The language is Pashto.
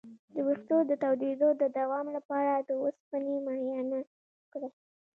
د ویښتو د تویدو د دوام لپاره د اوسپنې معاینه وکړئ